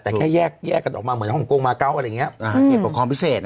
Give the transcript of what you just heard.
แต่แค่แยกกันออกมาเหมือนฮงกงมาเกาะอะไรอย่างเงี้ย